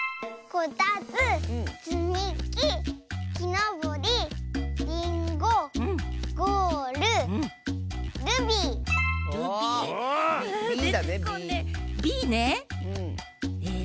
「こたつつみききのぼりリンゴゴールルビー」の「ビー」。